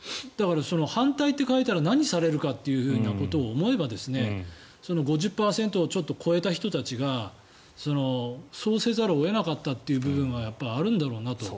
反対って書いたら何されるかということを思えば５０％ちょっと超えた人たちがそうせざるを得なかったという部分がやっぱりあるんだろうなと。